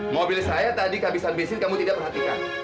mobil saya tadi kehabisan bensin kamu tidak perhatikan